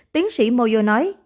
tiến sĩ moyo nói